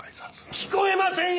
聞こえませんよ